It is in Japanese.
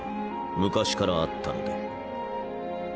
昔からあったので。